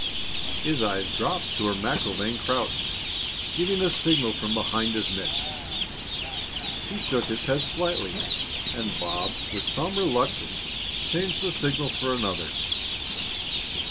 His eyes dropped to where MacIlvaine crouched, giving a signal from behind his mitt. He shook his head slightly, and Bob, with some reluctance, changed the signal for another.